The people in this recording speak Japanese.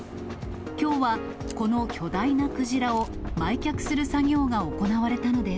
きょうはこの巨大なクジラを、埋却する作業が行われたのです。